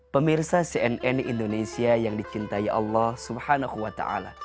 pemirsa cnn indonesia yang dicintai allah swt